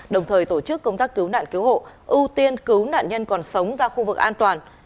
đồng thời tổ chức công tác cứu nạn cứu hộ ưu tiên cứu nạn nhân còn sống ra khu vực an toàn